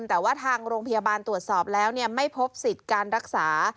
แต่ว่าทางโรงพยาบาลตรวจสอบแล้วไม่พบสิทธิ์การรักษา